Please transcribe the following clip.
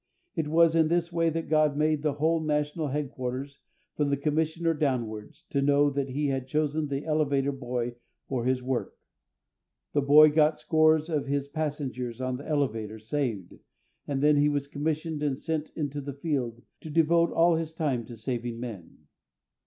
It was in this way that God made a whole National Headquarters, from the Commissioner downwards, to know that He had chosen the elevator boy for His work. The boy got scores of his passengers on the elevator saved, and then he was commissioned and sent into the Field to devote all his time to saving men.